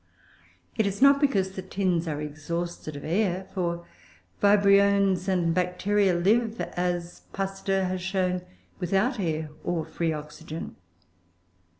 It is not because the tins are exhausted of air, for Vibriones and Bacteria live, as Pasteur has shown, without air or free oxygen.